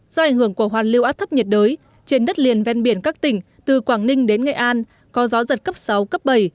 do ảnh hưởng của hoàn lưu áp thấp nhiệt đới trên đất liền ven biển các tỉnh từ quảng ninh đến nghệ an có gió giật cấp sáu cấp bảy